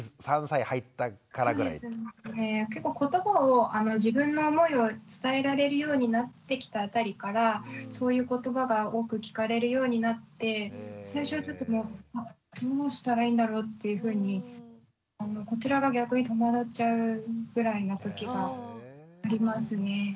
結構言葉を自分の思いを伝えられるようになってきたあたりからそういう言葉が多く聞かれるようになって最初はどうしたらいいんだろうっていうふうにこちらが逆に戸惑っちゃうぐらいなときがありますね。